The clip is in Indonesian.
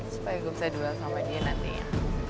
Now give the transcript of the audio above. supaya aku bisa duel sama dia nantinya